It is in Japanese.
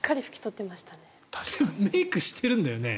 メイクしてるんだよね？